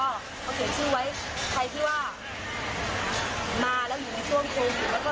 แล้วก็เอาเขียนชื่อไว้ใครที่ว่ามาแล้วอยู่ในช่วงโครงอยู่